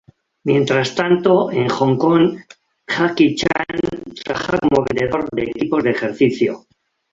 Mientras tanto, en Hong Kong, Jackie Chan trabaja como vendedor de equipos de ejercicio.